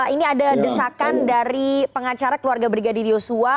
ini ada desakan dari pengacara keluarga brigadir yosua